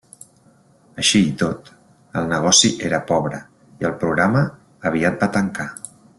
Així i tot, el negoci era pobre i el programa aviat va tancar.